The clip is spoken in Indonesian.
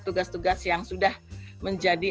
tugas tugas yang sudah menjadi